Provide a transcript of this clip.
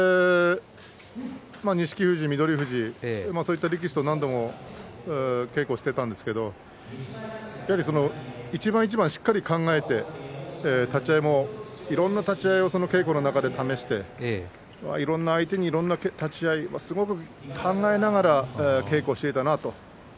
錦富士、翠富士そういった力士と何度も稽古してたんですが一番一番しっかり考えて立ち合いもいろんな立ち合いを稽古の中で試していろんな相手にいろんな立ち合い考えながら稽古していたなと。